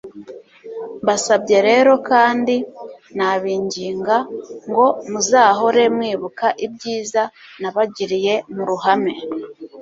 mbasabye rero kandi nabinginga ngo muzahore mwibuka ibyiza nabagiriye mu ruhame